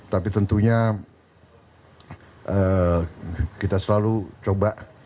tapi tentunya kita selalu coba mencari titik titik